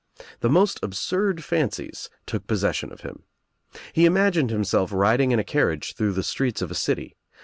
The most absurd fancies took possession of him. He imagined himself riding in a carriage through the streets of a city.